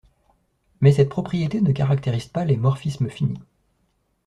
Mais cette propriété ne caractérise pas les morphismes finis.